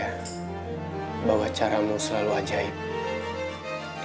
dan dia nggak bakal mandang sebelah mata seorang gulandari lagi